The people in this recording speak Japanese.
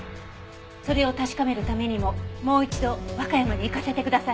それを確かめるためにももう一度和歌山に行かせてください。